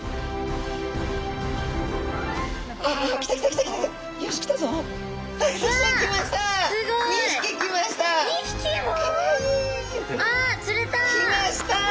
きました！